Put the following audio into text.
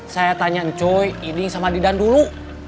saya tanya encoy iding sama didan dulu